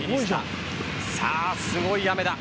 さあすごい雨だ。